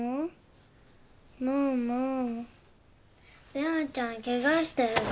べあちゃんケガしてるから。